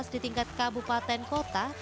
di tingkat kabupaten kota